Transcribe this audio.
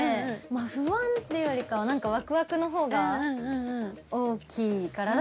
まあ不安っていうよりかはなんかワクワクの方が大きいから。